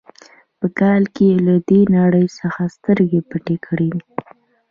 په کال کې یې له دې نړۍ څخه سترګې پټې کړې دي.